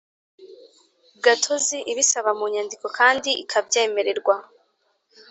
Gatozi ibisaba mu nyandiko kandi ikabyemererwa